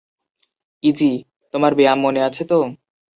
ইযি, তোমার ব্যায়াম মনে আছে তো?